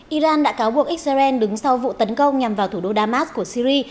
iran đã cáo buộc israel đứng sau vụ tấn công nhằm vào thủ đô damas của syri